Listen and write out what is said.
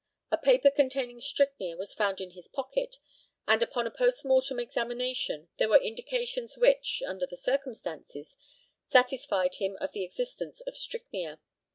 A paper containing strychnia was found in his pocket, and upon a post mortem examination there were indications which, under the circumstances, satisfied him of the existence of strychnia.